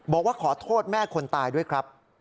บอกว่าขอโทษแม่คนตายด้วยครับ